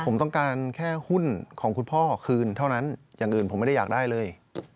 ผมต้องการแค่หุ้นของคุณพ่อคืนเท่านั้นอย่างอื่นผมไม่ได้อยากได้เลย